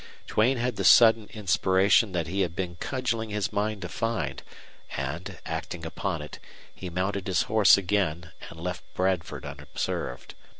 Duane had the sudden inspiration that he had been cudgeling his mind to find; and, acting upon it, he mounted his horse again and left Bradford unobserved.